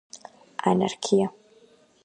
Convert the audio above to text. ანარქია